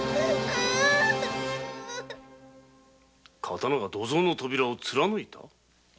刀が土蔵の扉を貫いた！？